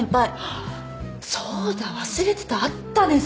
あっそうだ忘れてたあったね